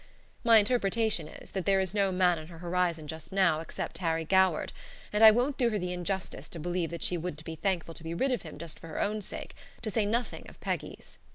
My interpretation is, that there is no man on her horizon just now except Harry Goward, and I won't do her the injustice to believe that she wouldn't be thankful to be rid of him just for her own sake; to say nothing of Peggy's.